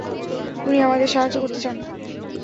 উনি আমাদের সাহায্য করতে চান।